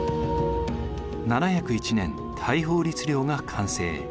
７０１年大宝律令が完成。